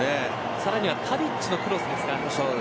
さらにはタディッチのクロスですから。